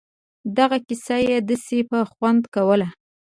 دغه کيسه يې داسې په خوند کوله.